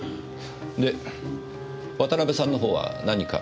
で渡辺さんの方は何か？